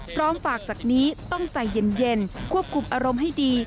พร้อมฝากจากนี้ต้องใจเย็นควบคุมอารมณ์ให้ดี